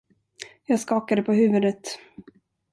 Jag skakade på huvudet.